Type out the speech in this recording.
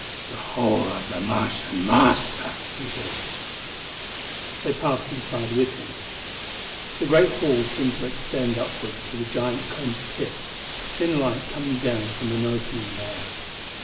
"The hall of the Martian Master," he hissed. They passed inside with him. The great hall seemed to extend upward to the giant cone's tip, thin light coming down from an opening there.